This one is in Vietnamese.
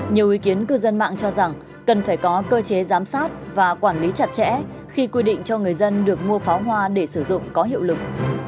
nhiều ý kiến cư dân mạng cho rằng cần phải có cơ chế giám sát và quản lý chặt chẽ khi quy định cho người dân được mua pháo hoa để sử dụng có hiệu lực